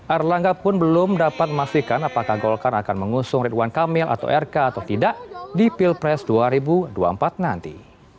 erlangga pun belum dapat memastikan apakah golkar akan mengusung ridwan kamil atau rk atau tidak di pilpres dua ribu dua puluh empat nanti